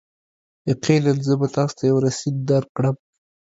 یقینا، زه به تاسو ته یو رسید درکړم.